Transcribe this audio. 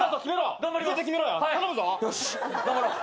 よし頑張ろう。